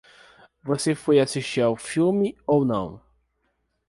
Você foi assistir ao filme ou não?